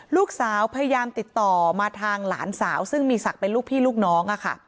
ลูกสาวพยายามติดต่อมาทางหลานสาวซึ่งมีศักดิ์เป็นลูกพี่ลูกน้อง